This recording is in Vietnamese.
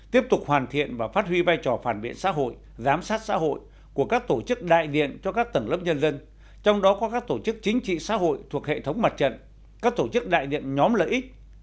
tiếp tục hoàn thiện và phát huy vai trò phản biện xã hội giám sát xã hội của các tổ chức đại diện cho các tầng lớp nhân dân trong đó có các tổ chức chính trị xã hội thuộc hệ thống mặt trận các tổ chức đại điện nhóm lợi ích